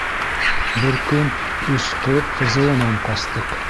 Бер көн өс ҡыҙ ФЗО-нан ҡастыҡ.